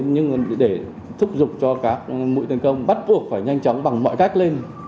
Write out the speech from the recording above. nhưng để thúc giục cho các mũi tấn công bắt buộc phải nhanh chóng bằng mọi cách lên